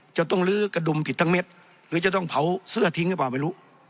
จะต้องลื้อกระดุมผิดทั้งเม็ดหรือจะต้องเผาเสื้อทิ้งหรือเปล่าไม่รู้